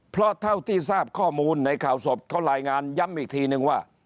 เพราะเท่าที่ทราบข้อมูลในข่าวศพเขารายงานย้ำอีกทีนึงว่า